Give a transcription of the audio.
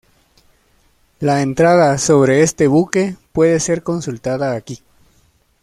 La entrada sobre este buque puede ser consultada aquí